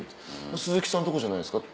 「スズキさんとこじゃないですか」